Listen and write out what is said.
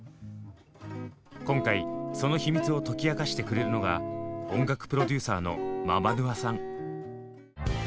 今回その秘密を解き明かしてくれるのが音楽プロデューサーのｍａｂａｎｕａさん。